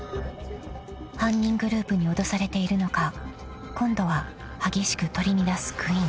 ［犯人グループに脅されているのか今度は激しく取り乱すクイン］